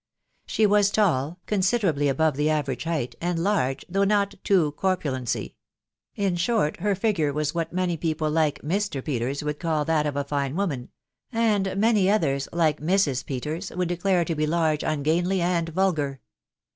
She was *s#l, •coMideeably: above the average height, and large, though net to corpulency; in short, her figure was what many people, like Mr. Peters, would call •that df a fine •'woman ; and many others, 'like 'Mrs. Peters, . would declare to be large, ungainly, and vulgar.